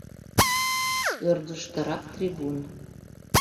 Ӧрдыжтырак трибун.